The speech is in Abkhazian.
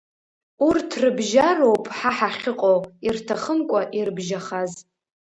Урҭ рыбжьароуп ҳа ҳахьыҟоу, ирҭахымкәа ирыбжьахаз!